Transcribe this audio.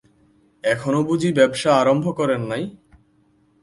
এখনো বুঝি ব্যাবসা আরম্ভ করেন নাই?